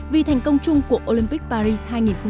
vì thành công chung của olympic paris